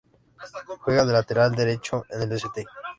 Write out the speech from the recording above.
Juega de lateral derecho en el St.